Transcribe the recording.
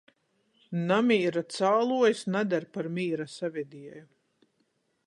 Namīra cāluojs nader par mīra savedieju.